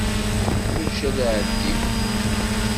Kulci ad iεeddi.